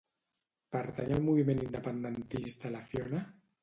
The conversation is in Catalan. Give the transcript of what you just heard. Pertany al moviment independentista la Fiona?